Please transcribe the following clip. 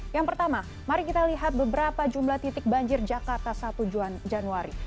yang pertama mari kita lihat beberapa jumlah titik banjir jakarta satu januari